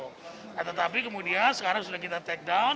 nah tetapi kemudian sekarang sudah kita take down